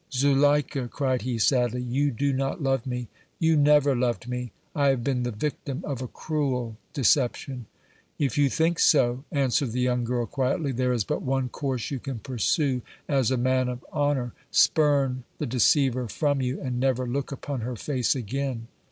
"Zuleika," cried he, sadly, "you do not love me; you never loved me; I have been the victim of a cruel deception!" "If you think so," answered the young girl, quietly, "there is but one course you can pursue as a man of honor spurn the deceiver from you and never look upon her face again!"